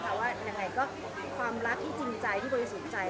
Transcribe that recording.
ก็จะฝากหลายคนอย่างไรก็ความรักที่จริงใจที่เป็นในแสนใจ